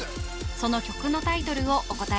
その曲のタイトルをお答え